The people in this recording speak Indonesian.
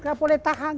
bapak boleh ditahan